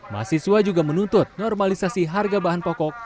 mahasiswa juga menuntut normalisasi harga bahan pokok